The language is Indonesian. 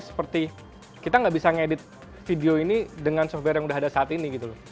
seperti kita tidak bisa mengedit video ini dengan software yang sudah ada saat ini